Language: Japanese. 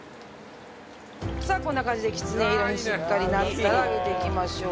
さあこんな感じできつね色にしっかりなったら上げていきましょう。